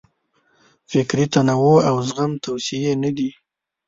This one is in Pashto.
فکري تنوع او زغم توصیې نه دي.